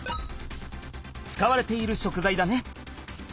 使われている食材だね。